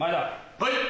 はい。